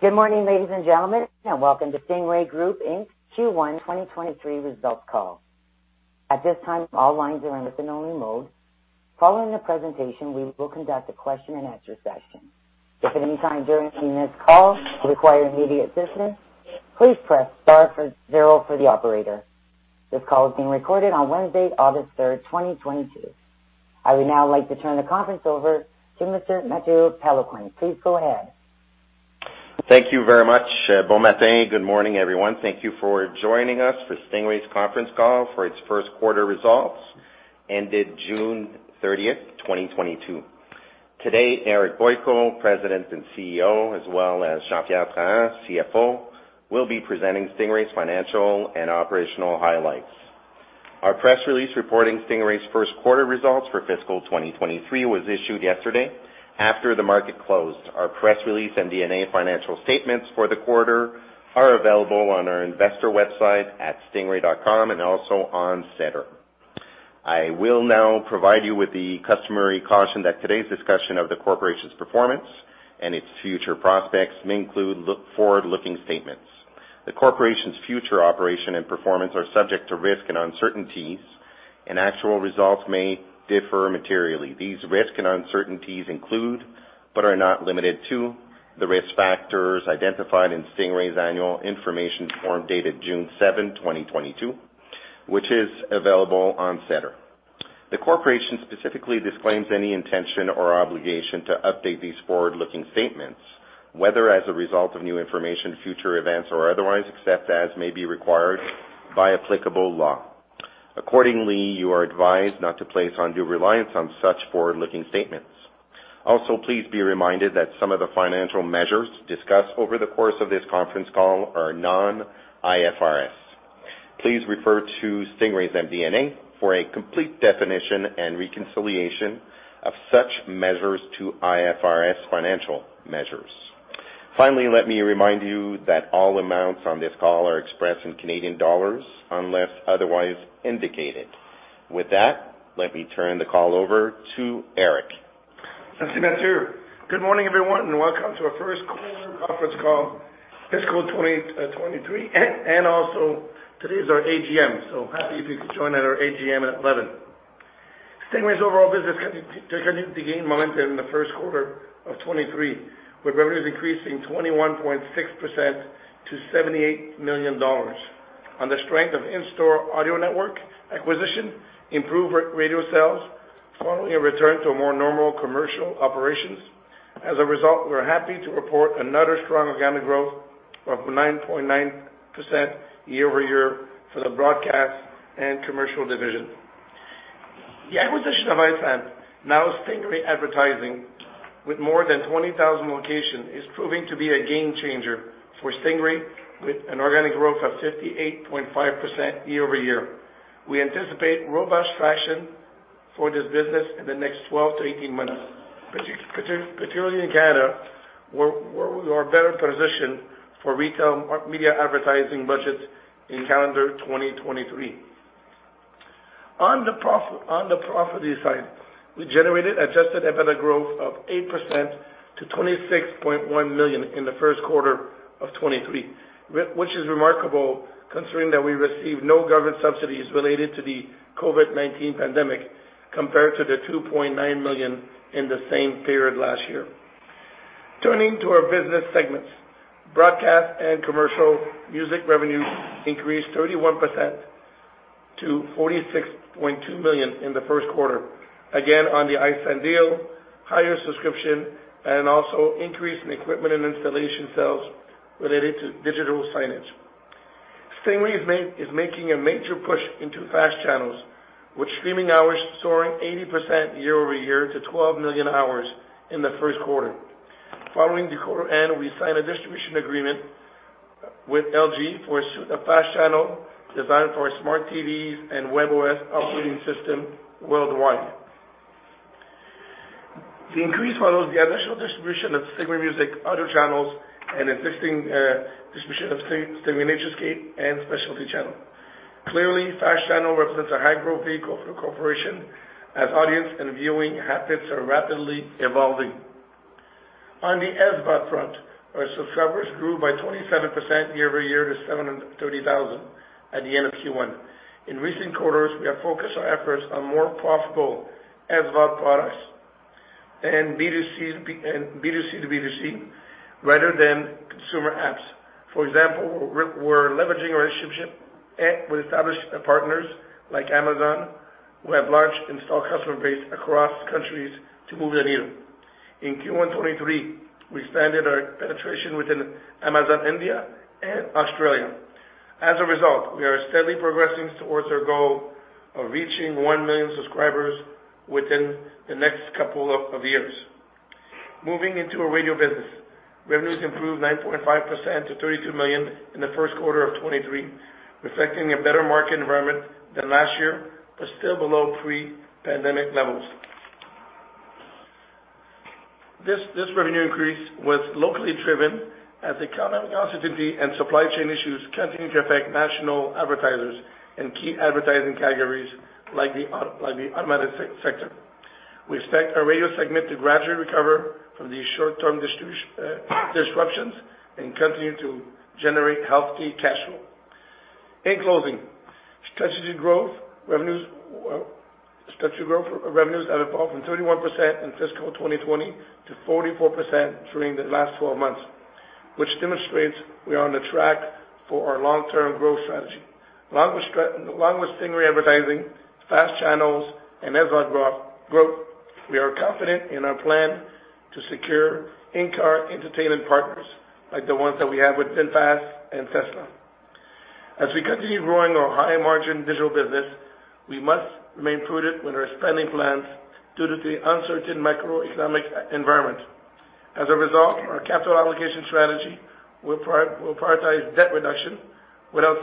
Good morning, ladies and gentlemen, and welcome to Stingray Group Inc.'s Q1 2023 Results Call. At this time, all lines are in listen-only mode. Following the presentation, we will conduct a Q&A session. If at any time during this call you require immediate assistance, please press star with zero for the operator. This call is being recorded on Wednesday, August 3rd, 2022. I would now like to turn the conference over to Mr. Mathieu Péloquin. Please go ahead. Thank you very much. Bon matin. Good morning, everyone. Thank you for joining us for Stingray's Conference Call for its Q1 results ended June 30th, 2022. Today, Eric Boyko, President and CEO, as well as Jean-Pierre Trahan, CFO, will be presenting Stingray's financial and operational highlights. Our press release reporting Stingray's Q1 results for fiscal 2023 was issued yesterday after the market closed. Our press release and MD&A financial statements for the quarter are available on our investor website at stingray.com and also on SEDAR. I will now provide you with the customary caution that today's discussion of the corporation's performance and its future prospects may include forward-looking statements. The corporation's future operation and performance are subject to risks and uncertainties, and actual results may differ materially. These risks and uncertainties include, but are not limited to, the risk factors identified in Stingray's annual information form dated June 7th, 2022, which is available on SEDAR. The corporation specifically disclaims any intention or obligation to update these forward-looking statements, whether as a result of new information, future events, or otherwise, except as may be required by applicable law. Accordingly, you are advised not to place undue reliance on such forward-looking statements. Also, please be reminded that some of the financial measures discussed over the course of this conference call are non-IFRS. Please refer to Stingray's MD&A for a complete definition and reconciliation of such measures to IFRS financial measures. Finally, let me remind you that all amounts on this call are expressed in Canadian dollars unless otherwise indicated. With that, let me turn the call over to Eric. Merci, Mathieu. Good morning, everyone, and welcome to our Q1 Conference Call, fiscal 2023, and also today is our AGM, so happy if you could join at our AGM at 11. Stingray's overall business continued to gain momentum in the Q1 of 2023, with revenues increasing 21.6% to 78 million dollars on the strength of InStore Audio Network acquisition, improved radio sales, following a return to more normal commercial operations. As a result, we're happy to report another strong organic growth of 9.9% year-over-year for the broadcast and commercial division. The acquisition of InStore, now Stingray Advertising, with more than 20,000 locations, is proving to be a game changer for Stingray with an organic growth of 58.5% year-over-year. We anticipate robust traction for this business in the next 12 to 18 months, particularly in Canada, where we are better positioned for retail media advertising budgets in calendar 2023. On the profitability side, we generated adjusted EBITDA growth of 8% to 26.1 million in the Q1 of 2023, which is remarkable considering that we received no government subsidies related to the COVID-19 pandemic compared to the 2.9 million in the same period last year. Turning to our business segments. Broadcast and commercial music revenues increased 31% to 46.2 million in the Q1, again on the iHeart deal, higher subscription, and also increase in equipment and installation sales related to digital signage. Stingray is making a major push into FAST channels, with streaming hours soaring 80% year-over-year to 12 million hours in the Q1. Following the quarter end, we signed a distribution agreement with LG for a FAST channel designed for smart TVs and webOS operating system worldwide. The increase follows the additional distribution of Stingray Music, other channels, and existing distribution of Stingray Naturescape and specialty channel. Clearly, FAST channel represents a high-growth vehicle for the corporation as audience and viewing habits are rapidly evolving. On the SVOD front, our subscribers grew by 27% year-over-year to 730,000 at the end of Q1. In recent quarters, we have focused our efforts on more profitable SVOD products and B2C to B2C rather than consumer apps. For example, we're leveraging our relationship with established partners like Amazon, who have large installed customer base across countries to move the needle. In Q1 2023, we expanded our penetration within Amazon India and Australia. As a result, we are steadily progressing towards our goal of reaching 1 million subscribers within the next couple of years. Moving into our radio business, revenues improved 9.5% to 32 million in the Q1 of 2023, reflecting a better market environment than last year, but still below pre-pandemic levels. This revenue increase was locally driven as the economic uncertainty and supply chain issues continue to affect national advertisers and key advertising categories like the automotive sector. We expect our radio segment to gradually recover from these short-term disruptions and continue to generate healthy cash flow. In closing, strategic growth of revenues have evolved from 31% in fiscal 2020 to 44% during the last 12 months, which demonstrates we are on the track for our long-term growth strategy. Along with Stingray Advertising, FAST channels and ad-supported growth, we are confident in our plan to secure in-car entertainment partners like the ones that we have with ZPass and Tesla. As we continue growing our high-margin digital business, we must remain prudent with our spending plans due to the uncertain macroeconomic environment. As a result, our capital allocation strategy will prioritize debt reduction without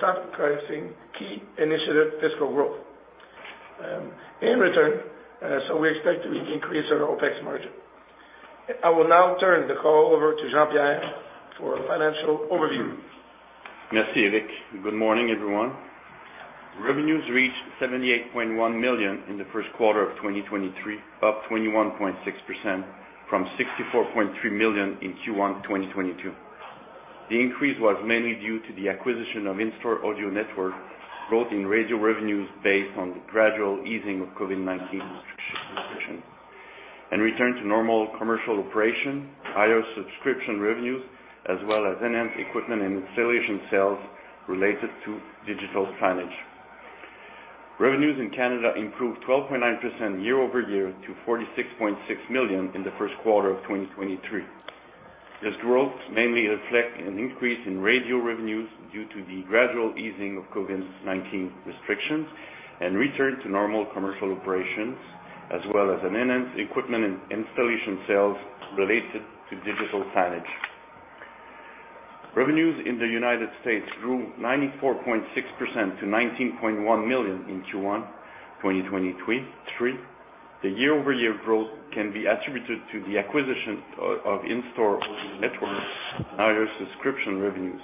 sacrificing key initiatives for growth, in return, so we expect to increase our OPEX margin. I will now turn the call over to Jean-Pierre for a financial overview. Merci, Eric. Good morning, everyone. Revenues reached 78.1 million in the Q1 of 2023, up 21.6% from 64.3 million in Q1 2022. The increase was mainly due to the acquisition of InStore Audio Network, growth in radio revenues based on the gradual easing of COVID-19 restriction, and return to normal commercial operation, higher subscription revenues, as well as enhanced equipment and installation sales related to digital signage. Revenues in Canada improved 12.9% year-over-year to 46.6 million in the Q1 of 2023. This growth mainly reflect an increase in radio revenues due to the gradual easing of COVID-19 restrictions and return to normal commercial operations, as well as an enhanced equipment and installation sales related to digital signage. Revenues in the United States grew 94.6% to $19.1 million in Q1 2023. Year-over-year growth can be attributed to the acquisition of InStore Audio Network, higher subscription revenues.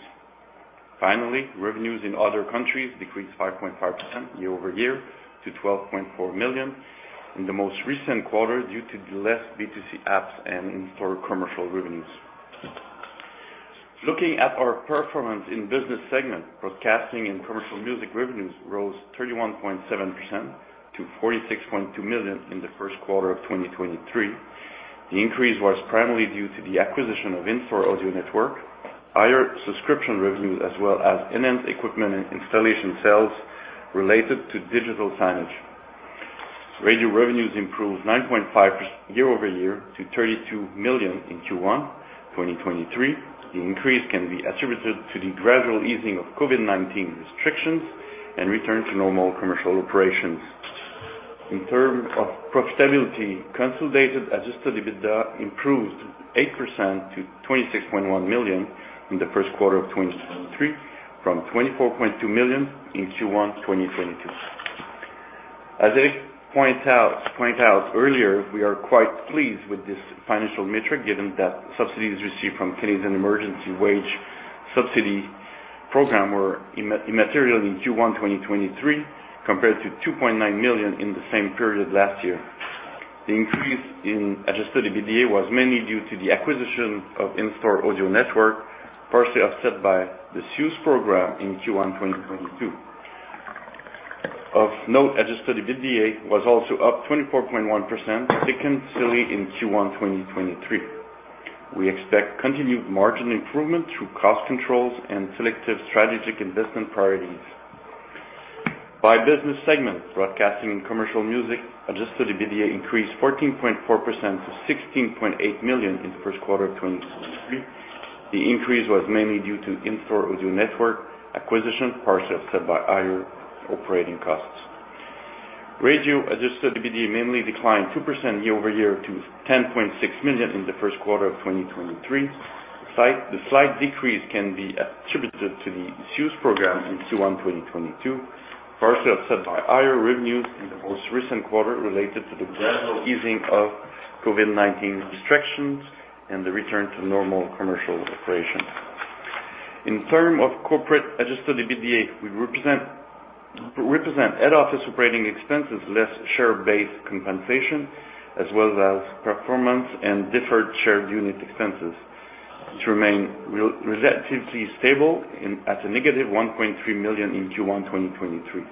Revenues in other countries decreased 5.5% year-over-year to 12.4 million in the most recent quarter due to less B2C apps and in-store commercial revenues. Looking at our performance in business segment, broadcasting and commercial music revenues rose 31.7% to 46.2 million in the Q1 of 2023. The increase was primarily due to the acquisition of InStore Audio Network, higher subscription revenues, as well as enhanced equipment and installation sales related to digital signage. Radio revenues improved 9.5% year-over-year to 32 million in Q1 2023. The increase can be attributed to the gradual easing of COVID-19 restrictions and return to normal commercial operations. In terms of profitability, consolidated adjusted EBITDA improved 8% to 26.1 million in the Q1 of 2023 from 24.2 million in Q1 2022. As Eric pointed out earlier, we are quite pleased with this financial metric given that subsidies received from Canada Emergency Wage Subsidy program were immaterial in Q1 2023 compared to 2.9 million in the same period last year. The increase in adjusted EBITDA was mainly due to the acquisition of InStore Audio Network, partially offset by the CEWS program in Q1 2022. Of note, adjusted EBITDA was also up 24.1% sequentially in Q1 2023. We expect continued margin improvement through cost controls and selective strategic investment priorities. By business segment, Broadcasting and Commercial Music adjusted EBITDA increased 14.4% to 16.8 million in the Q1 of 2023. The increase was mainly due to InStore Audio Network acquisition, partially offset by higher operating costs. Radio adjusted EBITDA mainly declined 2% year-over-year to 10.6 million in the Q1 of 2023. The slight decrease can be attributed to the CEWS program in Q1 2022, partially offset by higher revenues in the most recent quarter related to the gradual easing of COVID-19 restrictions and the return to normal commercial operations. In terms of corporate adjusted EBITDA, we represent head office operating expenses less share-based compensation as well as performance and deferred share unit expenses, which remain relatively stable in at -1.3 million in Q1 2023.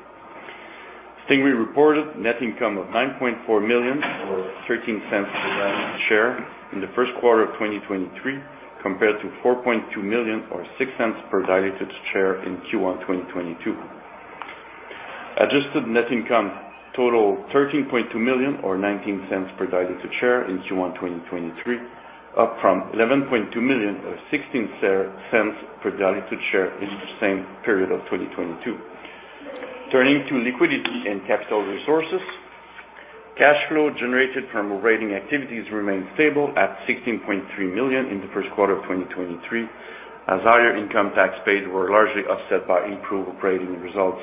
Stingray reported net income of 9.4 million or 0.13 per share in the Q1 of 2023, compared to 4.2 million or 0.06 per diluted share in Q1 2022. Adjusted net income totaled 13.2 million or 0.19 per diluted share in Q1 2023, up from 11.2 million or 0.16 per diluted share in the same period of 2022. Turning to liquidity and capital resources, cash flow generated from operating activities remained stable at 16.3 million in the Q1 of 2023, as higher income tax paid were largely offset by improved operating results.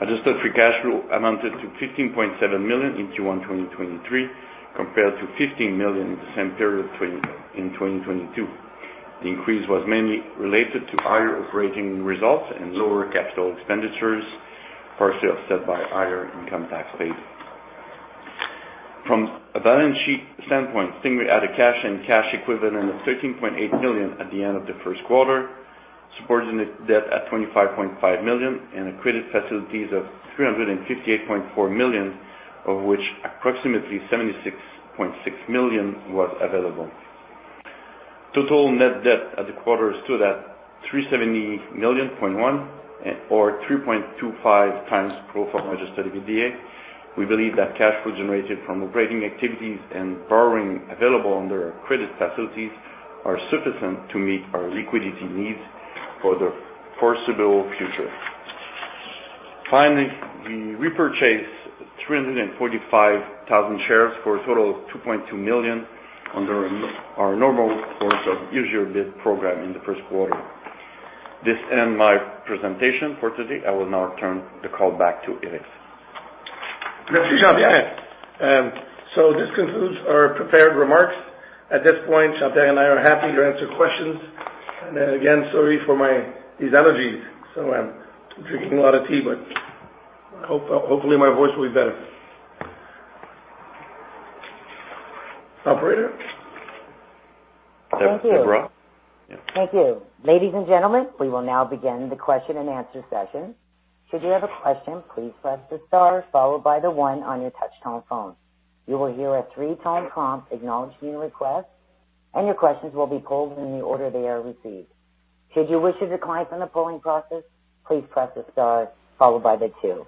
Adjusted free cash flow amounted to 15.7 million in Q1 2023 compared to 15 million in the same period of 2022. The increase was mainly related to higher operating results and lower capital expenditures, partially offset by higher income tax paid. From a balance sheet standpoint, Stingray had a cash and cash equivalent of 13.8 million at the end of the Q1, subordinated debt at 25.5 million, and credit facilities of 358.4 million, of which approximately 76.6 million was available. Total net debt at the quarter stood at 370.1 million or 3.25 times pro forma adjusted EBITDA. We believe that cash flow generated from operating activities and borrowing available under our credit facilities are sufficient to meet our liquidity needs for the foreseeable future. Finally, we repurchased 345,000 shares for a total of 2.2 million under our normal course of issuer bid program in the first quarter. This ends my presentation for today. I will now turn the call back to Eric. Merci, Jean-Pierre. This concludes our prepared remarks. At this point, Jean-Pierre and I are happy to answer questions. Again, sorry for my, these allergies. I'm drinking a lot of tea, but hopefully my voice will be better. Operator? Thank you. Deborah? Yeah. Thank you. Ladies and gentlemen, we will now begin the Q&A session. Should you have a question, please press the star followed by the one on your touch tone phone. You will hear a three-tone prompt acknowledging your request, and your questions will be pulled in the order they are received. Should you wish to decline from the polling process, please press the star followed by the two.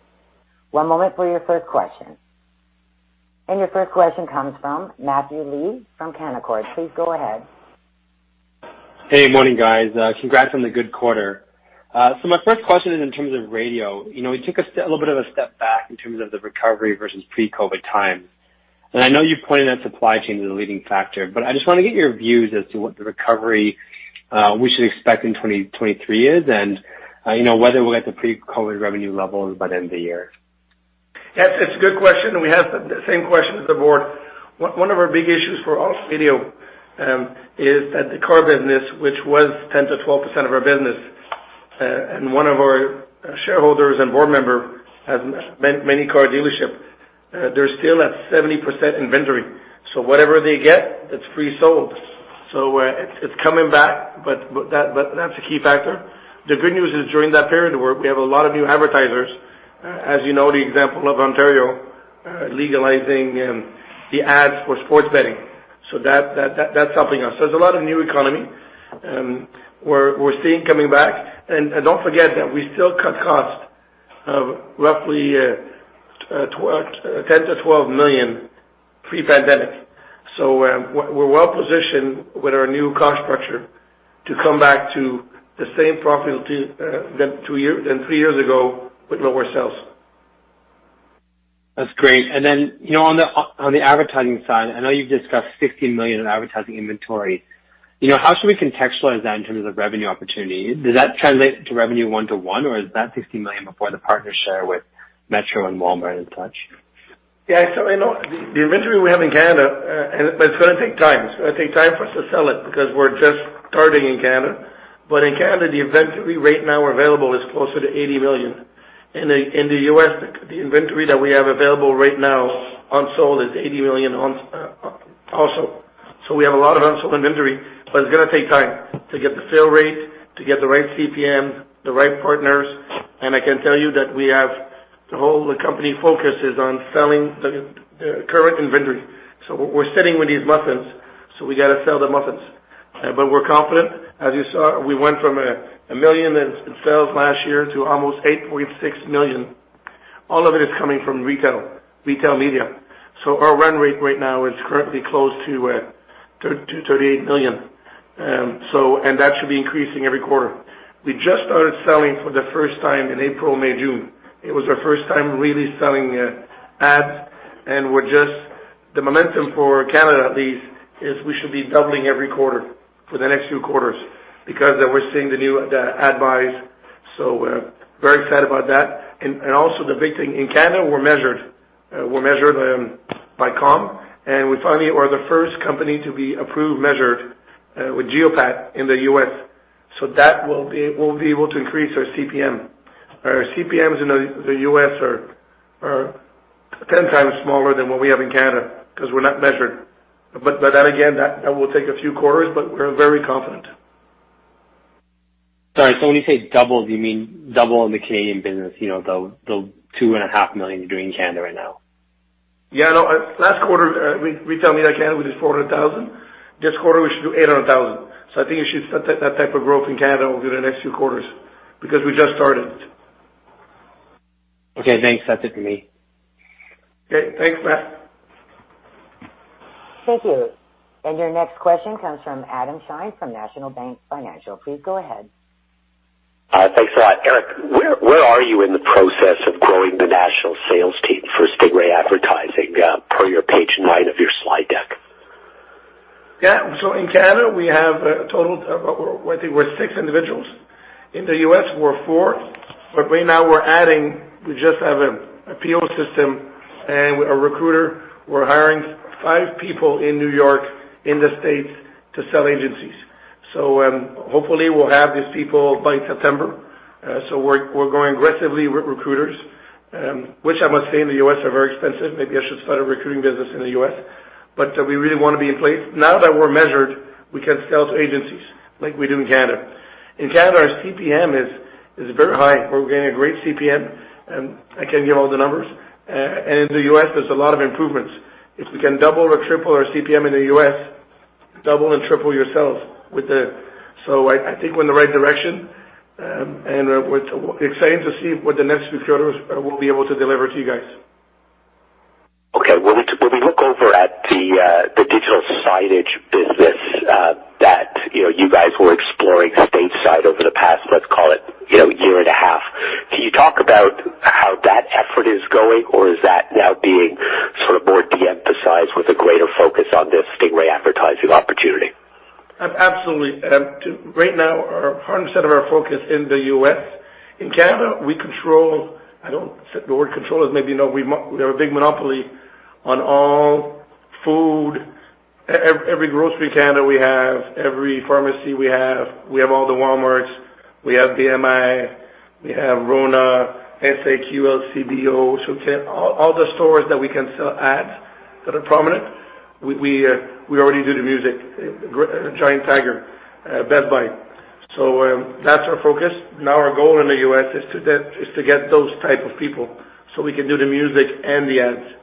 One moment for your first question. Your first question comes from Matthew Lee from Canaccord Genuity. Please go ahead. Hey, good morning, guys. Congrats on the good quarter. So my first question is in terms of radio. You know, it took us a little bit of a step back in terms of the recovery versus pre-COVID times. I know you pointed out supply chain is a leading factor, but I just wanna get your views as to what the recovery we should expect in 2023 is, and you know, whether we're at the pre-COVID revenue levels by the end of the year. Yes, it's a good question, and we have the same question at the board. One of our big issues for all of video is that the car business, which was 10% to 12% of our business, and one of our shareholders and board member has many car dealerships. They're still at 70% inventory, so whatever they get, it's pre-sold. It's coming back, but that's a key factor. The good news is during that period where we have a lot of new advertisers, as you know, the example of Ontario legalizing the ads for sports betting. So that's helping us. There's a lot of new economy we're seeing coming back. Don't forget that we still cut costs of roughly 10million to 12 million pre-pandemic. We're well-positioned with our new cost structure to come back to the same profitability than three years ago with lower sales. That's great. You know, on the advertising side, I know you've discussed 60 million in advertising inventory. You know, how should we contextualize that in terms of revenue opportunity? Does that translate to revenue 1-to-1, or is that 60 million before the partner share with Metro and Walmart and such? Yeah. I know the inventory we have in Canada, and it's gonna take time. It's gonna take time for us to sell it because we're just starting in Canada. In Canada, the inventory right now available is closer to 80 million. In the U.S., the inventory that we have available right now unsold is 80 million also. We have a lot of unsold inventory, but it's gonna take time to get the fill rate, to get the right CPM, the right partners. I can tell you that we have the whole company focus is on selling the current inventory. We're sitting with these muffins, so we gotta sell the muffins. We're confident. As you saw, we went from 1 million in sales last year to almost 8.6 million. All of it is coming from retail media. Our run rate right now is currently close to 38 million. That should be increasing every quarter. We just started selling for the first time in April, May, June. It was our first time really selling ads, and we're The momentum for Canada, at least, is we should be doubling every quarter for the next few quarters because we're seeing the new ad buys. We're very excited about that. Also the big thing in Canada, we're measured by COMMB. We finally are the first company to be approved, measured with Geopath in the U.S.. That we'll be able to increase our CPM. Our CPMs in the U.S. are 10x smaller than what we have in Canada 'cause we're not measured. That again will take a few quarters, but we're very confident. Sorry. When you say double, do you mean double in the Canadian business? You know, the 2.5 million you do in Canada right now. Yeah. No, last quarter, we retail media Canada we did 400,000. This quarter we should do 800,000. I think you should set that type of growth in Canada over the next few quarters because we just started. Okay, thanks. That's it for me. Okay. Thanks, Matt. Thank you. Your next question comes from Adam Shine from National Bank Financial. Please go ahead. Thanks a lot. Eric, where are you in the process of growing the national sales team for Stingray Advertising, per your page nine of your slide deck? Yeah. In Canada, we have a total of I think we're six individuals. In the U.S., we're four. Right now we're adding, we just have a sales team and a recruiter. We're hiring five people in New York in the U.S. to sell to agencies. Hopefully we'll have these people by September. We're going aggressively with recruiters, which I must say in the U.S. are very expensive. Maybe I should start a recruiting business in the U.S., we really wanna be in place. Now that we're measured, we can sell to agencies like we do in Canada. In Canada, our CPM is very high. We're getting a great CPM, and I can't give all the numbers. In the U.S., there's a lot of improvements. If we can double or triple our CPM in the U.S. I think we're in the right direction, and we're excited to see what the next few quarters will be able to deliver to you guys. Okay. When we look over at the digital signage business, that you know you guys were exploring stateside over the past, let's call it, you know, year and a half, can you talk about how that effort is going, or is that now being sort of more de-emphasized with a greater focus on this Stingray Advertising opportunity? Absolutely. Right now, 100% of our focus in the U.S.. In Canada, we control. The word control is maybe no. We have a big monopoly on all food. Every grocery in Canada we have, every pharmacy we have, we have all the Walmarts, we have BMI, we have RONA, SAQ, LCBO. All the stores that we can sell ads that are prominent, we already do the music, Giant Tiger, Best Buy. That's our focus. Now our goal in the U.S. is to get those type of people, so we can do the music and the ads.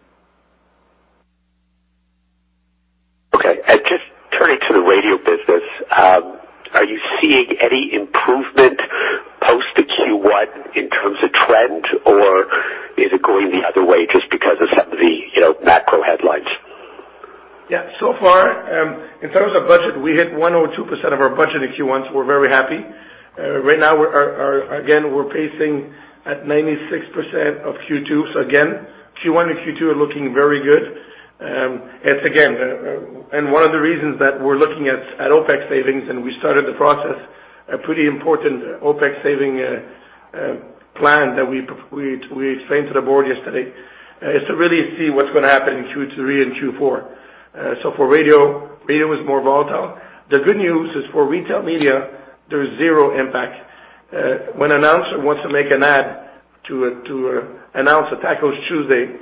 Okay. Just turning to the radio business, are you seeing any improvement post the Q1 in terms of trend, or is it going the other way just because of some of the, you know, macro headlines? Yeah. So far, in terms of budget, we hit 102% of our budget in Q1, so we're very happy. Right now we're pacing at 96% of Q2. Again, Q1 and Q2 are looking very good. It's again and one of the reasons that we're looking at OpEX savings, and we started the process, a pretty important OpEX saving plan that we explained to the board yesterday, is to really see what's gonna happen in Q3 and Q4. For radio, it is more volatile. The good news is for retail media, there is zero impact. When an announcer wants to make an ad to announce a Taco Tuesday,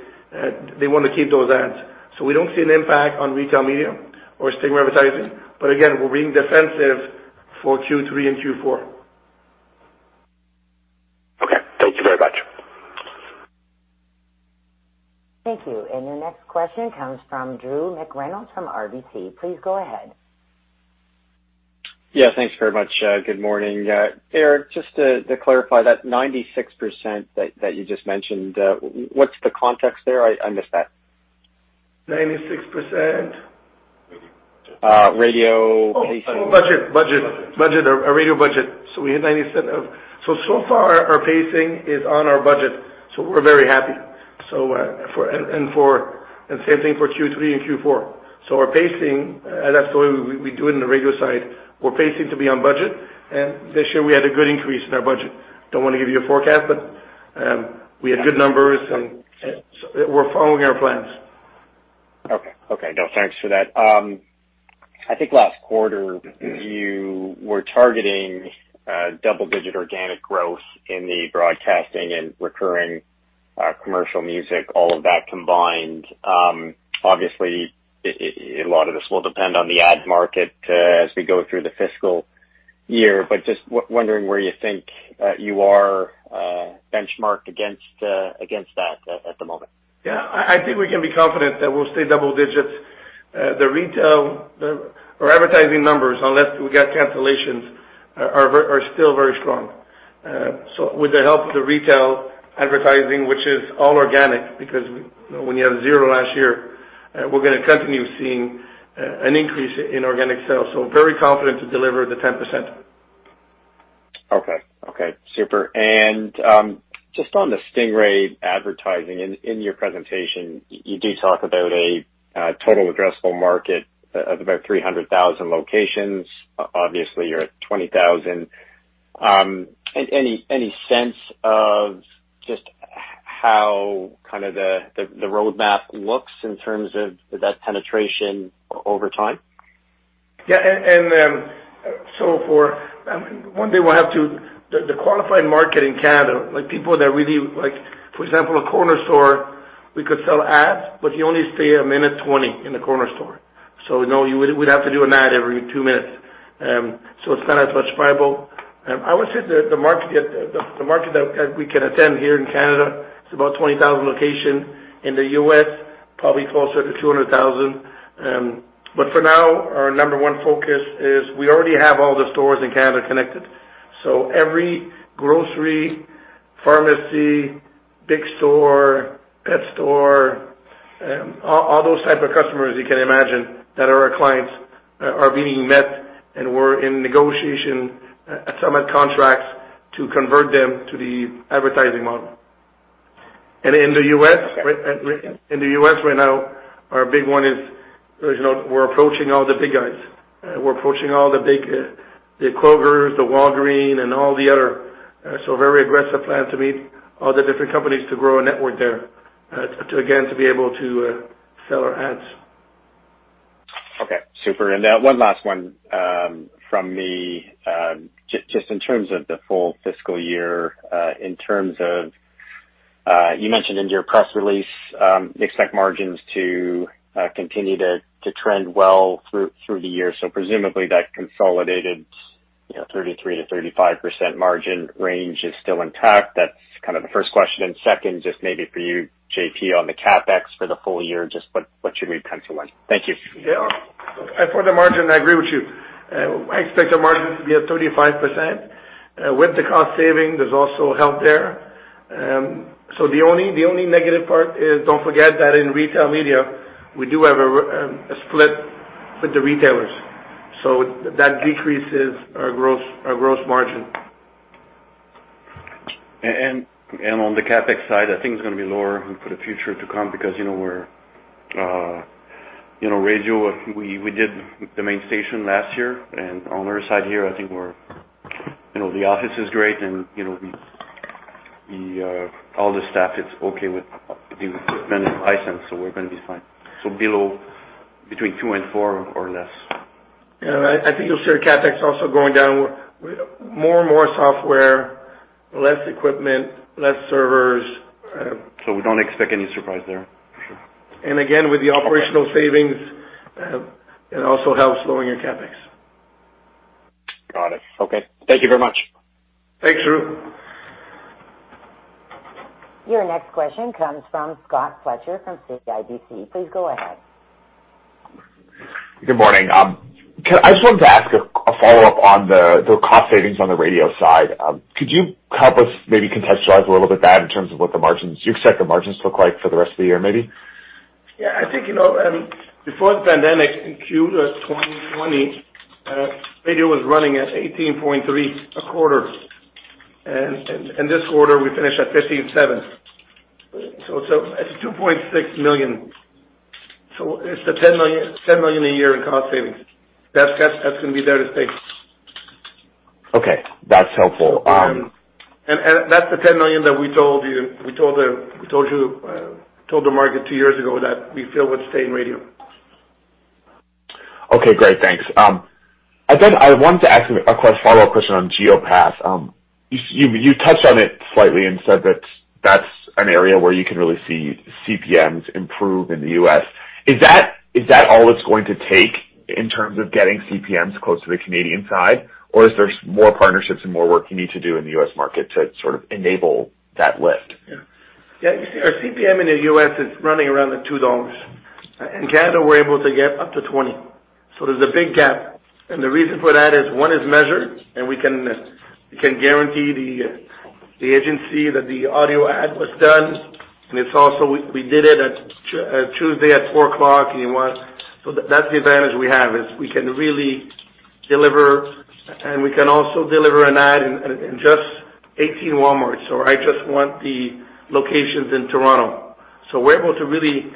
they wanna keep those ads. We don't see an impact on retail media or Stingray Advertising. Again, we're being defensive for Q3 and Q4. Okay. Thank you very much. Thank you. Your next question comes from Drew McReynolds from RBC. Please go ahead. Yeah. Thanks very much. Good morning. Eric, just to clarify that 96% that you just mentioned, what's the context there? I missed that. 96%? Radio pacing. Our radio budget. So far our pacing is on our budget, so we're very happy. Same thing for Q3 and Q4. Our pacing, that's the way we do it in the radio side. We're pacing to be on budget, and this year we had a good increase in our budget. Don't wanna give you a forecast, but we had good numbers, so we're following our plans. Okay. No, thanks for that. I think last quarter you were targeting double digit organic growth in the broadcasting and recurring commercial music, all of that combined. Obviously, a lot of this will depend on the ad market as we go through the fiscal year, but just wondering where you think you are benchmarked against that at the moment. Yeah. I think we can be confident that we'll stay double digits. Our advertising numbers, unless we get cancellations, are still very strong. With the help of the retail advertising, which is all organic, because, you know, when you have zero last year, we're gonna continue seeing an increase in organic sales. Very confident to deliver the 10%. Okay. Super. Just on the Stingray Advertising, in your presentation, you do talk about a total addressable market of about 300,000 locations. Obviously, you're at 20,000. Any sense of just how kinda the roadmap looks in terms of that penetration over time? The qualified market in Canada, like people that really like, for example, a corner store, we could sell ads, but you only stay 1 minute 20 seconds in the corner store. We'd have to do an ad every two minutes. It's not as much viable. I would say the market that we can attend here in Canada is about 20,000 locations. In the U.S., probably closer to 200,000. For now, our number one focus is we already have all the stores in Canada connected. Every grocery, pharmacy, big store, pet store, all those type of customers you can imagine that are our clients are being met, and we're in negotiation, some have contracts to convert them to the advertising model. In the U.S. Okay. In the U.S. right now, our big one is, as you know, we're approaching all the big guys. We're approaching all the big, the Kroger, the Walgreens, and all the other, so very aggressive plan to meet all the different companies to grow a network there, to again, to be able to sell our ads. Okay, super. One last one from me. Just in terms of the full fiscal year, you mentioned in your press release, you expect margins to continue to trend well through the year. Presumably that consolidated, you know, 33% to 35% margin range is still intact. That's kind of the first question. Second, just maybe for you, Jean-Pierre, on the CapEx for the full year, just what should we pencil in? Thank you. Yeah. For the margin, I agree with you. I expect our margin to be at 35%. With the cost saving, there's also help there. The only negative part is, don't forget that in retail media, we do have a split with the retailers, so that decreases our gross margin. On the CapEx side, I think it's gonna be lower for the future to come because, you know, we're you know, radio, we did the main station last year. On our side here, I think we're, you know, the office is great and, you know, we all the staff is okay with the spending license, so we're gonna be fine. Below between two and four or less. Yeah. I think you'll see our CapEx also going down with more and more software, less equipment, less servers. We don't expect any surprise there. For sure. Again, with the operational savings, it also helps lowering your CapEx. Got it. Okay. Thank you very much. Thanks, Drew. Your next question comes from Scott Fletcher from CIBC. Please go ahead. Good morning. I just wanted to ask a follow-up on the cost savings on the radio side. Could you help us maybe contextualize a little bit that in terms of what you expect the margins look like for the rest of the year, maybe? Yeah. I think, you know, before the pandemic in Q1 of 2020, radio was running at 18.3 a quarter. This quarter we finished at 15.7. It's a 2.6 million. It's a 10 million, 10 million a year in cost savings. That's gonna be there to stay. Okay. That's helpful. that's the 10 million that we told you told the market two years ago that we feel would stay in radio. Okay, great. Thanks. I think I wanted to ask a follow-up question on Geopath. You touched on it slightly and said that that's an area where you can really see CPMs improve in the U.S. Is that all it's going to take in terms of getting CPMs close to the Canadian side? Or is there more partnerships and more work you need to do in the U.S. market to sort of enable that lift? You see our CPM in the U.S. is running around $2. In Canada, we're able to get up to 20, so there's a big gap. The reason for that is one is measured, and we can guarantee the agency that the audio ad was done, and it's also we did it at Tuesday at 4 o'clock. That's the advantage we have, is we can really deliver, and we can also deliver an ad in just 18 Walmarts, or I just want the locations in Toronto. We're able to really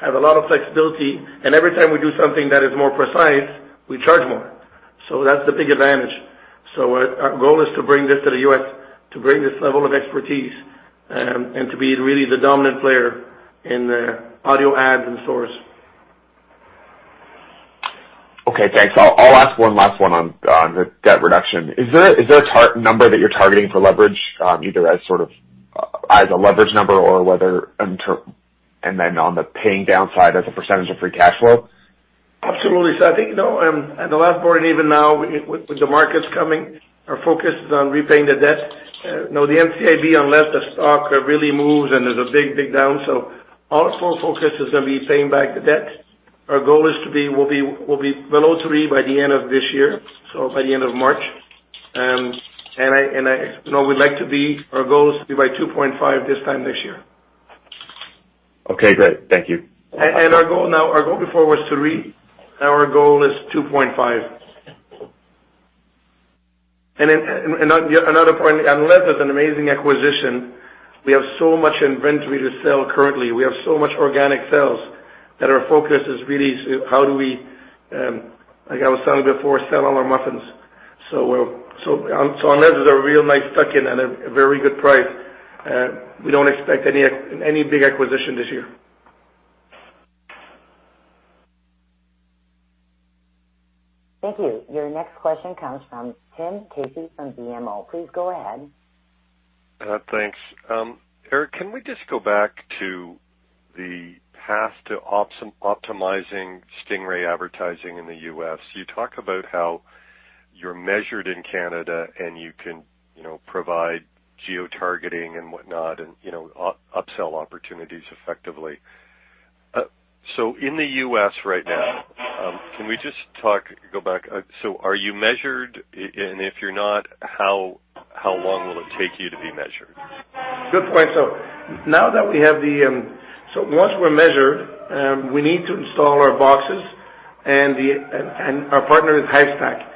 have a lot of flexibility, and every time we do something that is more precise, we charge more. That's the big advantage. Our goal is to bring this to the U.S., to bring this level of expertise, and to be really the dominant player in the audio ads and source. Okay, thanks. I'll ask one last one on the debt reduction. Is there a target number that you're targeting for leverage, either as sort of a leverage number or whether and then on the paying down side as a percentage of free cash flow? Absolutely. I think, you know, at the last board, and even now with the markets coming, our focus is on repaying the debt. You know, the NCIB, unless the stock really moves and there's a big down, so our sole focus is gonna be paying back the debt. Our goal is to be, we'll be below 3% by the end of this year, so by the end of March. And I, you know, we'd like to be, our goal is to be by 2.5% this time this year. Okay, great. Thank you. Our goal before was 3%, now our goal is 2.5%. Another point, unless there's an amazing acquisition, we have so much inventory to sell currently. We have so much organic sales that our focus is really so how do we, like I was telling you before, sell all our muffins. Unless there's a real nice tuck-in at a very good price, we don't expect any big acquisition this year. Thank you. Your next question comes from Tim Casey from BMO. Please go ahead. Thanks. Eric, can we just go back to the path to optimizing Stingray Advertising in the U.S.? You talk about how you're measured in Canada, and you can, you know, provide geotargeting and whatnot and, you know, upsell opportunities effectively. In the U.S. right now, can we just go back. So are you measured and if you're not, how long will it take you to be measured? Good point. Once we're measured, we need to install our boxes and the and our partner is Hivestack.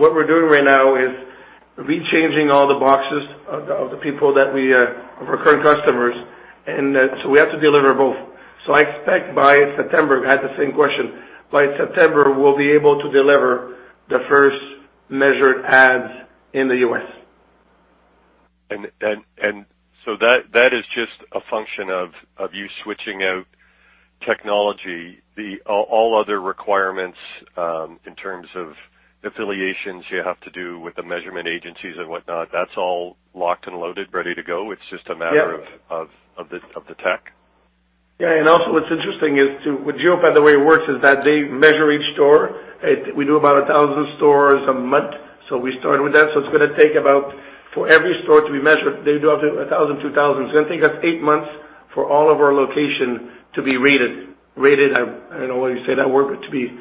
What we're doing right now is re-changing all the boxes of the people that we of our current customers, and so we have to deliver both. I expect by September, I had the same question. By September, we'll be able to deliver the first measured ads in the U.S. That is just a function of you switching out technology. All other requirements in terms of affiliations you have to do with the measurement agencies and whatnot, that's all locked and loaded, ready to go. Yeah. It's just a matter of the tech. What's interesting is with Geopath, the way it works is that they measure each store. We do about 1,000 stores a month, so we start with that. It's gonna take about, for every store to be measured, they do up to 1,000 to 2,000. I think that's eight months for all of our location to be rated. Rated, I don't know why you say that word, but to be.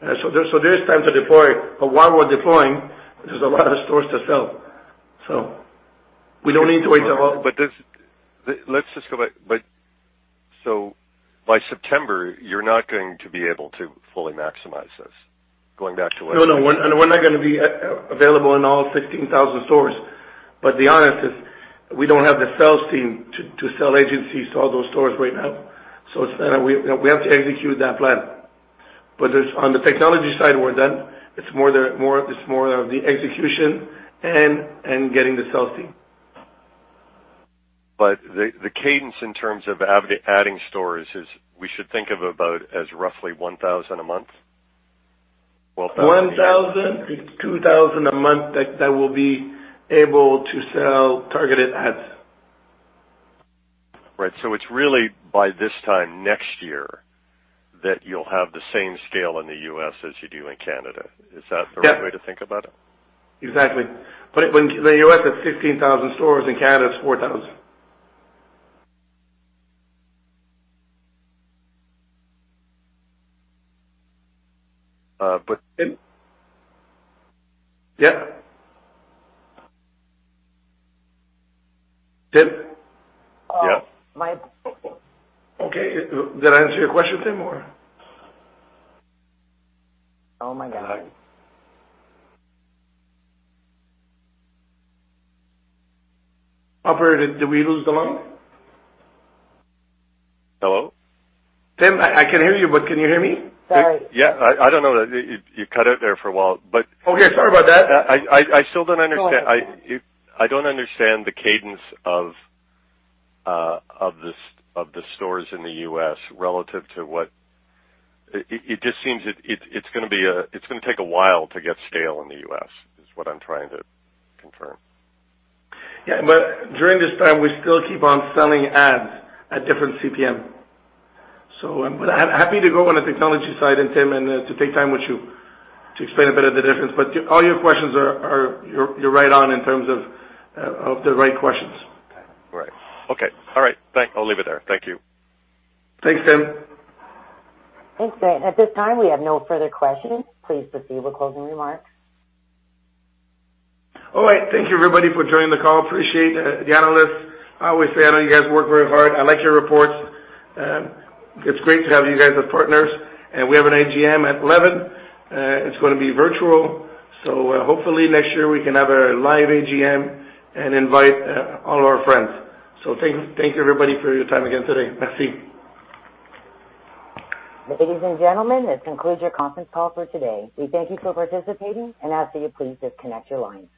There's time to deploy. While we're deploying, there's a lot of stores to sell. We don't need to wait until all. There's. Let's just go back. By September, you're not going to be able to fully maximize this, going back to what. No, no. We're not gonna be available in all 16,000 stores. To be honest, we don't have the sales team to sell to agencies to all those stores right now. Then we have to execute that plan. On the technology side, we're done. It's more of the execution and getting the sales team. The cadence in terms of adding stores is we should think of about as roughly 1,000 a month. 1,000 to 2,000 a month that will be able to sell targeted ads. Right. It's really by this time next year that you'll have the same scale in the U.S. as you do in Canada. Is that? Yeah. the right way to think about it? Exactly. The U.S. has 15,000 stores, in Canada it's 4,000. Tim? Yeah. Tim? Yeah. Uh, my Okay. Did I answer your question, Tim, or? Oh, my God. Operator, did we lose the line? Hello? Tim, I can hear you, but can you hear me? Sorry. Yeah. I don't know. You cut out there for a while, but. Okay. Sorry about that. I still don't understand. I don't understand the cadence of the stores in the U.S. relative to what. It just seems it's gonna take a while to get scale in the U.S., is what I'm trying to confirm. Yeah. During this time, we still keep on selling ads at different CPM. I'm happy to go on the technology side and Tim, and to take time with you to explain a bit of the difference. All your questions are. You're right on in terms of the right questions. Right. Okay. All right. I'll leave it there. Thank you. Thanks, Tim. Thanks. At this time, we have no further questions. Please proceed with closing remarks. All right. Thank you everybody for joining the call. Appreciate the analysts. I always say, I know you guys work very hard. I like your reports. It's great to have you guys as partners. We have an AGM at 11. It's gonna be virtual. Hopefully next year we can have a live AGM and invite all our friends. Thank you everybody for your time again today. Merci. Ladies and gentlemen, this concludes your Conference Call for today. We thank you for participating and ask that you please disconnect your lines.